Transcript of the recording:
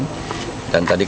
dan tadi kita lihat